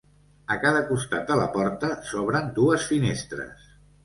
A cada costat de la porta s'obren dues finestres.